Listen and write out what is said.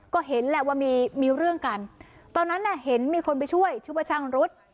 ก็เห็นแหละว่ามีมีเรื่องกันตอนนั้นน่ะเห็นมีคนไปช่วยชื่อว่าช่างรุษ